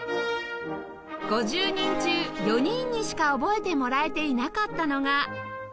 ５０人中４人にしか覚えてもらえていなかったのが